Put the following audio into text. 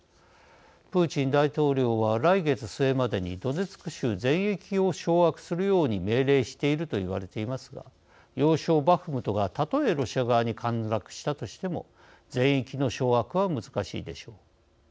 プーチン大統領は、来月末までにドネツク州全域を掌握するように命令していると言われていますが要衝バフムトが、たとえロシア側に陥落したとしても全域の掌握は難しいでしょう。